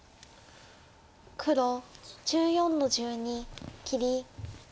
黒１４の十二切り。